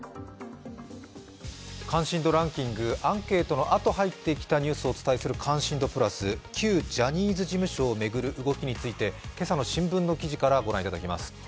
関心度ランキング、アンケートのあと入ってきたニュースを伝える旧ジャニーズ事務所を巡る動きについて今朝の新聞の記事からご覧いただきます。